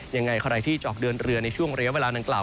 ยังไงใครที่จะออกเดินเรือในช่วงระยะเวลานางกล่า